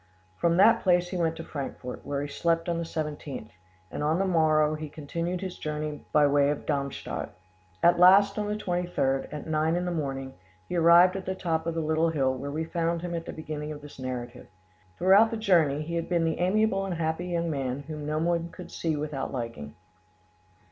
From that place he went to Frankfort, where he slept on the 17th, and on the morrow he continued his journey by way of Darmstadt. At last, on the 23rd, at nine in the morning, he arrived at the top of the little hill where we found him at the beginning of this narrative. Throughout the journey he had been the amiable and happy young man whom no one could see without liking.